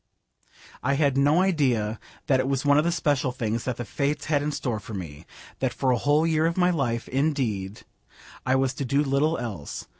I had no idea that it was one of the special things that the Fates had in store for me: that for a whole year of my life, indeed, I was to do little else.